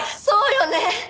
そうよね。